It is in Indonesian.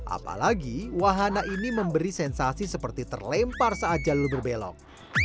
apalagi wahana ini memberi sensasi seperti terlempar saat jalur berbelok